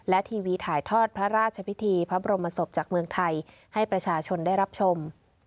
และทีวีถ่ายทอดพระราชพิธีพระบรมศพจากเมืองไทยให้ประชาชนได้รับชม